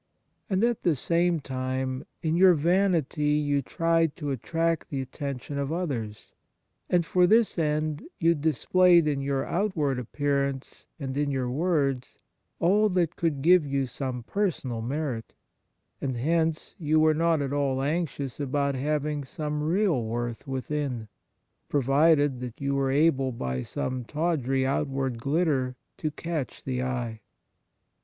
And, at the same time, in your vanity you tried to attract the attention of others, and, for this end, you displayed in your outward appear ance and in your words all that could give you some personal merit ; and hence, you were not at all anxious about having some real worth within, provided that you were able by some tawdry outward glitter to catch the eye.